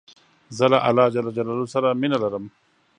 زه له الله ج سره مینه لرم.